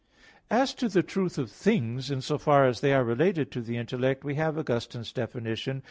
As to the truth of things in so far as they are related to the intellect, we have Augustine's definition (De Vera Relig.